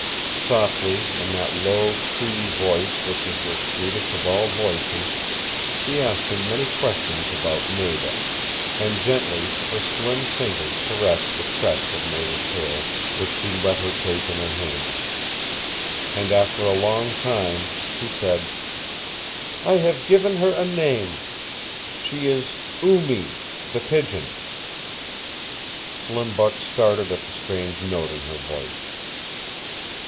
Softly, in that low Cree voice which is the sweetest of all voices, she asked him many questions about Nada, and gently her slim fingers caressed the tress of Nada's hair which he let her take in her hands. And after a long time, she said. "I have given her a name. She is Oo Mee, the Pigeon." Slim Buck started at the strange note in her voice.